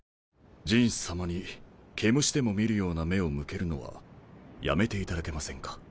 壬氏さまに毛虫でも見るような目を向けるのはやめていただけませんか？